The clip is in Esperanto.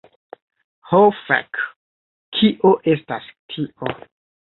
Ho fek. Kio estas tio?